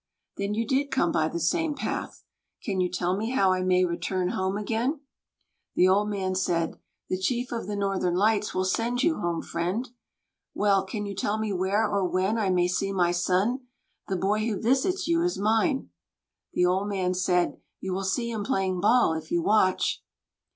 "Then you did come by the same path. Can you tell me how I may return home again?" The old man said: "The Chief of the Northern Lights will send you home, friend." "Well, can you tell me where or when I may see my son? The boy who visits you is mine." The old man said: "You will see him playing ball, if you watch."